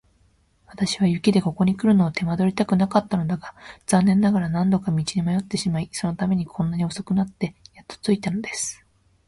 私は雪でここにくるのを手間取りたくなかったのだが、残念ながら何度か道に迷ってしまい、そのためにこんなに遅くなってやっと着いたのです。